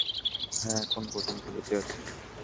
হ্যাঁ, এখন পর্যন্ত বেঁচে আছি!